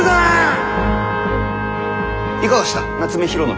いかがした夏目広信。